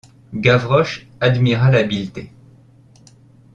Gavroche admira l’habileté.